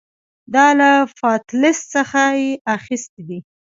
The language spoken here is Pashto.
دا له فاتالیس څخه یې اخیستي دي